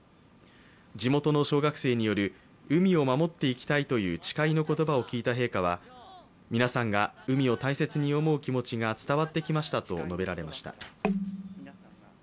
地元の小学生による海を守っていきたいという誓いの言葉を聞いた陛下は、皆さんが海を大切に思う気持ちが伝わってきましたと述べられました。